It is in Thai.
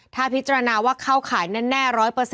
ถ้าพิจารณาว่าเข้าข่ายแน่๑๐๐